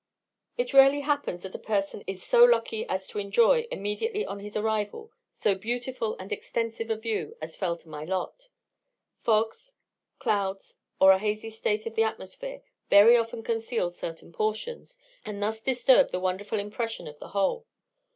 It rarely happens that a person is so lucky as to enjoy, immediately on his arrival, so beautiful and extensive a view as fell to my lot; fogs, clouds, or a hazy state of the atmosphere, very often conceal certain portions, and thus disturb the wonderful impression of the whole.